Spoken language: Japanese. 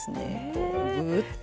こうグーッと。